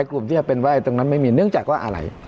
กลุ่มที่จะเป็นไหว้ตรงนั้นไม่มีเนื่องจากว่าอะไร